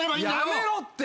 やめろって！